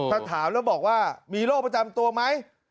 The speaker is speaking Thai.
ถ้าถามแล้วบอกว่ามีโรคประจำตัวไหม